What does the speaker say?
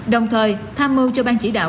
đồng thời tham mưu cho bang chỉ đạo